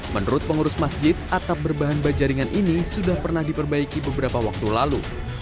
menurut pengurus masjid atap berbahan bajaringan ini sudah pernah diperbaiki beberapa waktu lalu